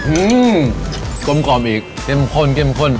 อื้อกลมกล่อมอีกเต็มข้น